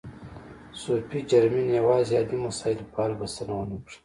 صوفي جرمین یوازې عادي مسایلو په حل بسنه و نه کړه.